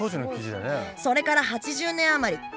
それから８０年余り。